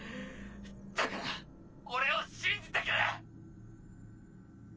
だから俺を信じてくれ！！